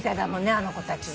あの子たちの。